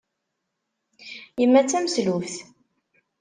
Yemma d tameslubt.